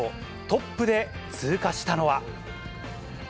トップで通過したのは。